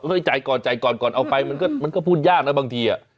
เฮ้ยจ่ายก่อนเอาไปมันก็พูดยากนะบางที